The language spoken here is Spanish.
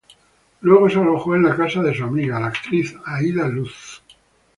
Luego se alojó en la casa de su amiga, la actriz Aída Luz.